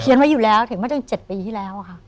เขียนไว้อยู่แล้วถึงเมื่อจน๗ปีที่แล้วค่ะ